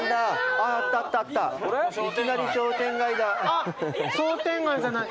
あっ商店街じゃない？